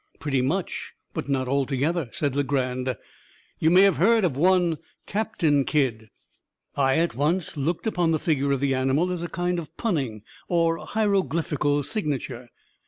"Pretty much, but not altogether," said Legrand. "You may have heard of one Captain Kidd. I at once looked upon the figure of the animal as a kind of punning or hieroglyphical signature.